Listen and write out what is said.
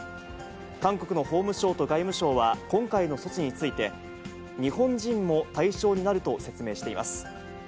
韓国の法務省と外務省は、今回の措置について、日本人も対象になると説明しています。